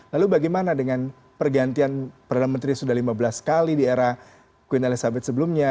lalu bagaimana dengan pergantian perdana menteri sudah lima belas kali di era queen elizabeth sebelumnya